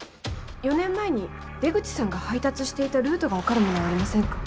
４年前に出口さんが配達していたルートが分かるものはありませんか？